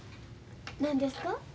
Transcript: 何ですか？